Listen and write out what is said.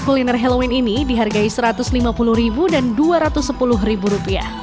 kuliner halloween ini dihargai rp satu ratus lima puluh dan rp dua ratus sepuluh